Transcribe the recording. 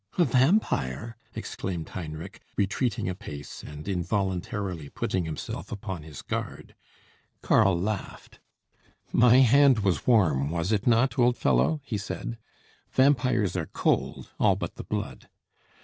"A vampire!" exclaimed Heinrich, retreating a pace, and involuntarily putting himself upon his guard. Karl laughed. "My hand was warm, was it not, old fellow?" he said. "Vampires are cold, all but the blood."